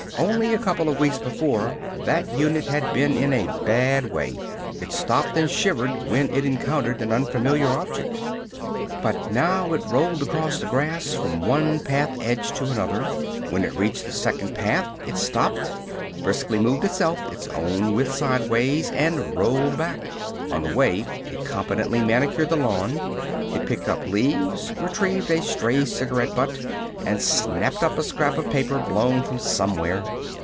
Only a couple of weeks before, that unit had been in a bad way. It stopped and shivered when it encountered an unfamiliar object. But now it rolled across the grass from one path edge to another. When it reached the second path it stopped, briskly moved itself its own width sidewise, and rolled back. On the way it competently manicured the lawn. It picked up leaves, retrieved a stray cigarette butt, and snapped up a scrap of paper blown from somewhere.